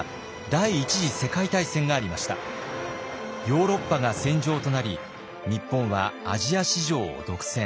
ヨーロッパが戦場となり日本はアジア市場を独占。